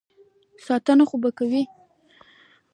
ساتنه خو به کوي.